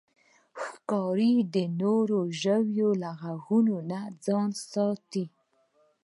ښکاري د نورو ژویو له غږونو ځان ساتي.